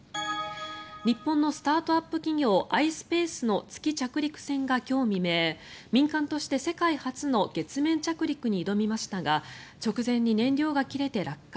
日本のスタートアップ企業ｉｓｐａｃｅの月着陸船が今日未明民間として世界初の月面着陸に挑みましたが直前に燃料が切れて落下。